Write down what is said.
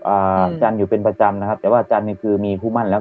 อ่าจันอยู่เป็นประจำนะครับแต่ว่าจันเนี้ยคือมีผู้มั่นแล้ว